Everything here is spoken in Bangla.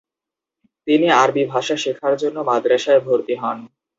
তিনি আরবি ভাষা শেখার জন্য মাদ্রাসায় ভর্তি হন।